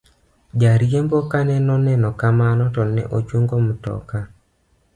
jariembo kanoneno kamano to ne ochungo mtoka